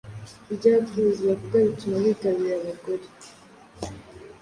ibyo abapfubuzi bavuga bituma bigarurira abagore